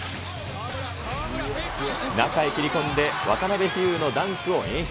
中へ切り込んで、渡邉飛勇のダンクを演出。